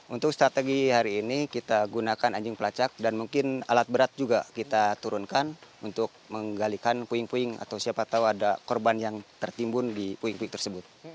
untuk strategi hari ini kita gunakan anjing pelacak dan mungkin alat berat juga kita turunkan untuk menggalikan puing puing atau siapa tahu ada korban yang tertimbun di puing puing tersebut